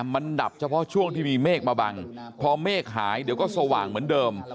มันดับเฉพาะช่วงที่มีเมฆมาบังพอเมฆหายเดี๋ยวก็สว่างเหมือนเดิม